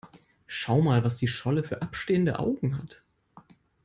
Schau mal, was die Scholle für abstehende Augen hat!